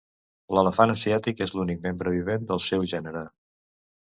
L'elefant asiàtic és l'únic membre vivent del seu gènere.